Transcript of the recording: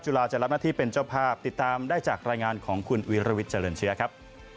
ลาจะรับหน้าที่เป็นเจ้าภาพติดตามได้จากรายงานของคุณวิรวิทย์เจริญเชื้อครับ